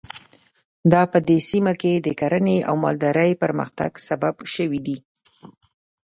دا په دې سیمه کې د کرنې او مالدارۍ پرمختګ سبب شوي دي.